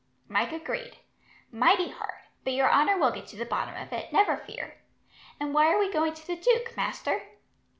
Mike agreed. "Mighty hard; but your honour will get to the bottom of it, never fear. And why are we going to the duke, master?"